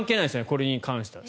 これに関しては。